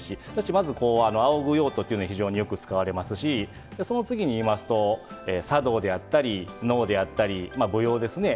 まず、あおぐ用途っていうのは非常によく使われますしその次見ますと茶道であったり、能であったり舞踊ですね。